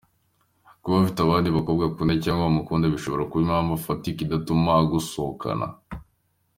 Kuba afite abandi bakobwa akunda cyangwa bamukunda, bishobora kuba impamvu ifatika idatuma agusohokana.